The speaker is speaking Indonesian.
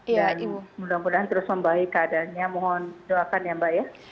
dan mudah mudahan terus membaik keadaannya mohon doakan ya mbak